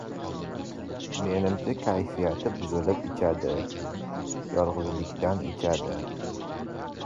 Menimcha, kayfiyati buzilib ichadi, yolg‘izlikdan ichadi.